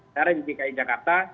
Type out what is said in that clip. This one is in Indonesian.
karena di dki jakarta